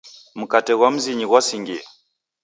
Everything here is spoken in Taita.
Mkate ghwa mzinyi ghwasingie.